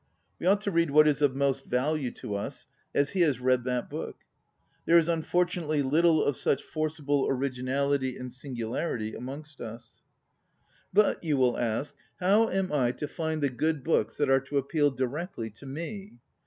We ought to read what is of most value to us, as he has read that book. There is unfortunately little of such forcible originality and singularity amongst us. J87 ON READING But, you will ask, how am I to find the good books that are to ap peal directly to me?